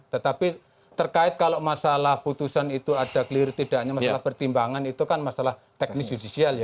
tetapi terkait kalau masalah putusan itu ada clear tidaknya masalah pertimbangan itu kan masalah teknis judicial ya